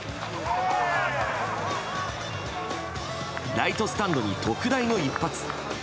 ライトスタンドに特大の一発。